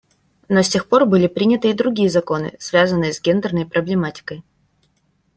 Но с тех пор были приняты и другие законы, связанные с гендерной проблематикой.